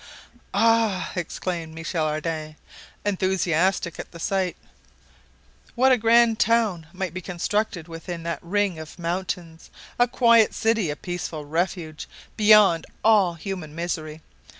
"Ah!" exclaimed Michel Ardan, enthusiastic at the sight; "what a grand town might be constructed within that ring of mountains! A quiet city, a peaceful refuge, beyond all human misery.